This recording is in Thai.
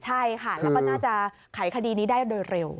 ใช่ค่ะแล้วมันน่าจะขายคดีนี้ได้เร็ว